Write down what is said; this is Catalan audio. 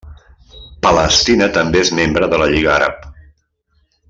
Palestina també és membre de la Lliga Àrab.